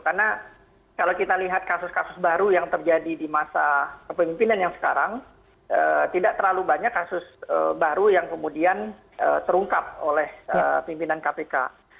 karena kalau kita lihat kasus kasus baru yang terjadi di masa kepemimpinan yang sekarang tidak terlalu banyak kasus baru yang kemudian terungkap oleh pimpinan kpk